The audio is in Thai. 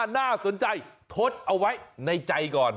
น่าสนใจทดเอาไว้ในใจก่อน